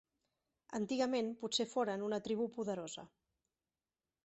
Antigament potser foren una tribu poderosa.